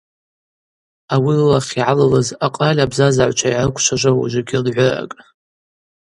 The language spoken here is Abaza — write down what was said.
Ауи лылахь йгӏалалыз акъраль абзазагӏвчва йгӏарыквчважвауа ужвыгьи лгӏвыракӏ.